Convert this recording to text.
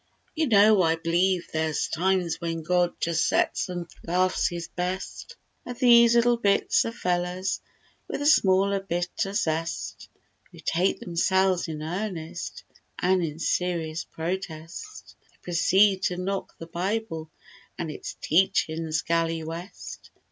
205 You know I b'lieve there's times when God Just sets an' laughs his best, At these little bits o' fellers With a smaller bit o' zest, Who take themselves in earnest An' in serious protest They proceed to knock the Bible An' its teachin's galley west.